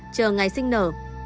chờ ngày sinh nở